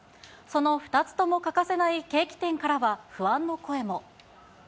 その２つとも欠かせないケーキ店からは、不安の声も。